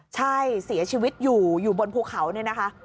ใช่เสียชีวิตอยู่อยู่บนภูเขาเนี่ยนะคะ